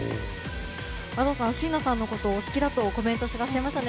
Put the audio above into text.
Ａｄｏさん椎名さんのことがお好きだとコメントしていらっしゃいましたね。